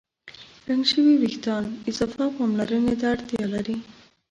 رنګ شوي وېښتيان اضافه پاملرنې ته اړتیا لري.